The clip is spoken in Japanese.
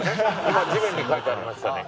今地面に書いてありましたね。